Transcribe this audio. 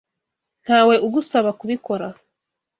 Ntawe ugusaba kubikora.